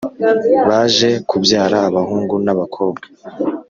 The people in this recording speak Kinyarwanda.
baje kubyara abahungu n’abakobwa